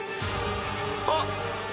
あっ！